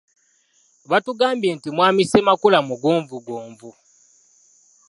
Batugambye nti mwami Ssemakula mugonvugonvu.